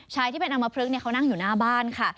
ชายที่เป็นอำมพลึกเขานั่งอยู่หน้าบ้านค่ะ